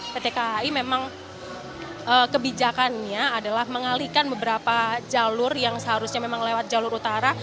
pt kai memang kebijakannya adalah mengalihkan beberapa jalur yang seharusnya memang lewat jalur utara